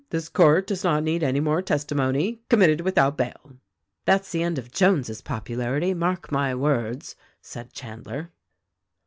This court does not need any more testimony. Committed without bail.' " "That's the end of Jones' popularity, mark my words !" said Chandler.